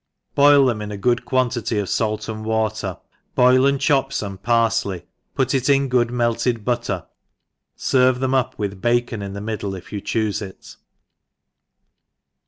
BOIL them in a good quantity of fait and water^ boil and chop fome pariley^ put it in good melted butter ; ferve them up with bacon in the middle if you choofe it.